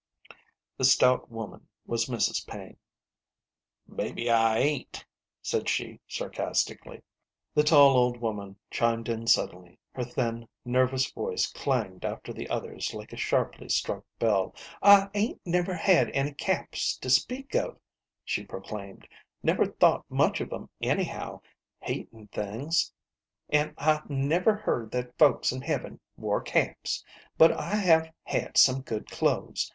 The stout woman was Mrs. Paine. " Mebbe I ain't," said she, sarcastically. The tall old woman chimed in suddenly ; her thin, ner vous voice clanged after the others like a sharply struck bell. " I ain't never had any caps to speak of," she pro 9 o SISTER LIDDY. claimed ;" never thought much of 'em, anyhow ; heatin* things ; an' I never heard that folks in heaven wore caps. But I have had some good clothes.